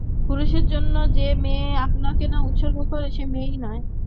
পুরুষের জন্য যে মেয়ে আপনাকে না উৎসর্গ করে সে মেয়েই নয়।